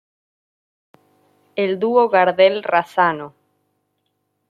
El dúo Gardel-Razzano.